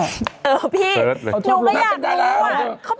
ก็ถูกรู้กัน